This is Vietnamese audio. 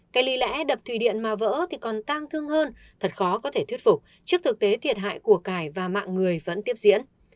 cái lý lẽ đập thủy điện mà vỡ thì còn tang thương hơn thật khó có thể thuyết phục trước thực tế thiệt hại của cải và mạng người vẫn tiếp diễn